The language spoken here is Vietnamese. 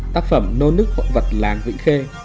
tác phẩm nôn nức hộ vật làng vĩ khê